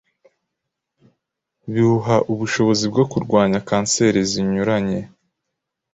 biwuha ubushobozi bwo kurwanya kanseri zinyuranye